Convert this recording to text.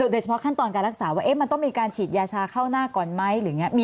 โดยเฉพาะขั้นตอนการรักษาว่ามันต้องมีการฉีดยาชาเข้าหน้าก่อนไหมหรืออย่างนี้